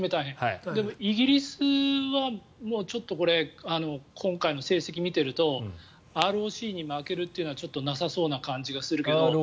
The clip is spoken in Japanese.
でもイギリスはちょっとこれ今回の成績見てるとＲＯＣに負けるというのはなさそうな感じがするけど。